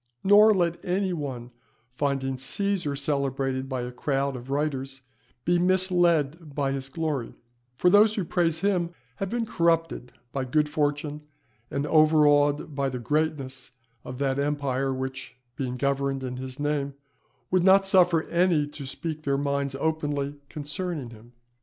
Nor let any one finding Cæsar celebrated by a crowd of writers, be misled by his glory; for those who praise him have been corrupted by his good fortune, and overawed by the greatness of that empire which, being governed in his name, would not suffer any to speak their minds openly concerning him.